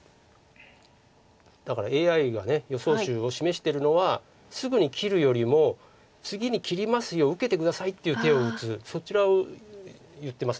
だからＡＩが予想手を示してるのはすぐに切るよりも「次に切りますよ受けて下さい」っていう手を打つそちらを言ってます